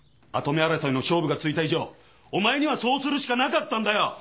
跡目争いの勝負がついた以上お前にはそうするしかなかったんだよ！！